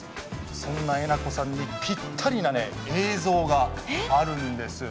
そんな、えなこさんにぴったりな映像があるんです。